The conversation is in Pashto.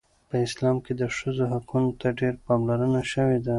په اسلام کې د ښځو حقوقو ته ډیره پاملرنه شوې ده.